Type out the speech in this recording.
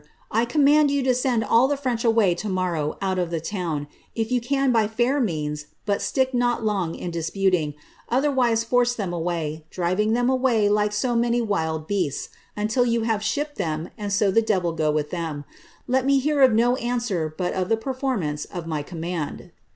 I ooai> mand jou to »end all the French away tfvmorrow out of the town— if foo can by fair meanf, but ttick not long in disputing— other wiM Ibrca them away, driv ing tliem away like to many wild beasts, until you have shipped ibem, and lo tlie devil go with them. Let lue hear of no answer but of the performance of my command.